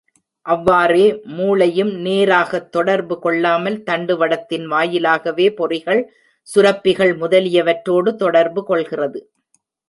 அவ்வாறே மூளையும் நேராகத் தொடர்பு கொள்ளாமல், தண்டு வடத்தின் வாயிலாகவே பொறிகள், சுரப்பிகள் முதலியவற்றோடு தொடர்பு கொள்கிறது.